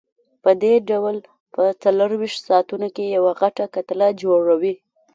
پدې ډول په څلورویشت ساعتونو کې یوه غټه کتله جوړوي.